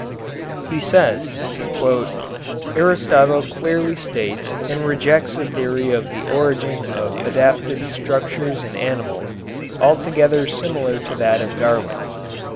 He says: "Aristotle clearly states and rejects a theory of the origin of adaptive structures in animals altogether similar to that of Darwin."